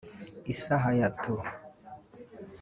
Issa Hayatou